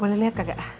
boleh liat gak